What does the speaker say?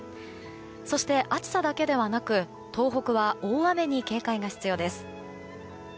そして暑さだけではなく東北は大雨に警戒が必要です。